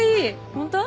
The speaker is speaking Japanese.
ホント？